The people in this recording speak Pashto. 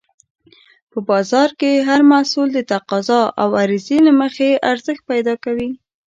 په بازار کې هر محصول د تقاضا او عرضې له مخې ارزښت پیدا کوي.